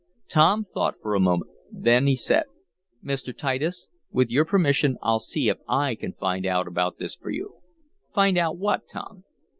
Tom thought for a moment. Then he said: "Mr. Titus, with your permission, I'll see if I can find out about this for you." "Find out what, Tom?"